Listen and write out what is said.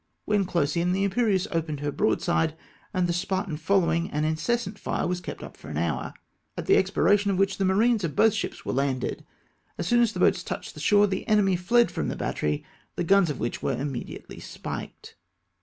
When close in, the Impe rieuse opened her broadside, and the Sp)artan following, an incessant fire was kept up for an hour, at the expi 1 4 280 SILENCE THE BATTERIES. ration of wliicli tlie marines of botli ships were landed. As soon as the boats touched the shore, the enemy fled from the battery, the guns of which were immediately spiked.